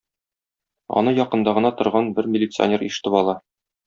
Аны якында гына торган бер милиционер ишетеп ала